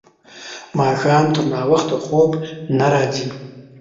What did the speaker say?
ماښام تر ناوخته خوب نه راځي.